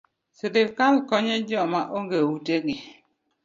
Sirkal konyo jok ma onge ute gi